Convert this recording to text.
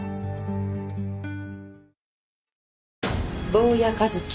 坊谷一樹。